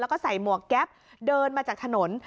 แล้วก็ใส่หมวกแก๊ปเดินมาจากถนน